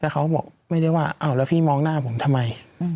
แต่เขาบอกไม่ได้ว่าอ้าวแล้วพี่มองหน้าผมทำไม